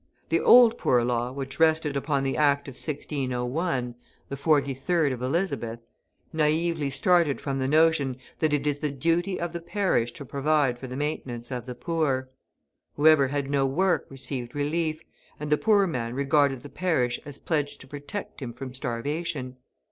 The Old Poor Law which rested upon the Act of 1601 (the 43rd of Elizabeth), naively started from the notion that it is the duty of the parish to provide for the maintenance of the poor. Whoever had no work received relief, and the poor man regarded the parish as pledged to protect him from starvation.